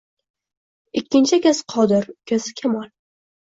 Ikkinchi akasi Qodir, ukasi Kamol